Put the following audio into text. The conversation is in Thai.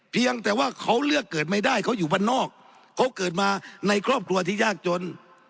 เพียงแต่ว่าเขาเลือกเกิดไม่ได้เขาอยู่บ้านนอกเขาเกิดมาในครอบครัวที่ยากจน